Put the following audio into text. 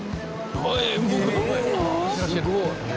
すごい。